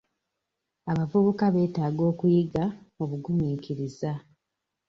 Abavubuka beetaaga okuyiga obugumiikiriza.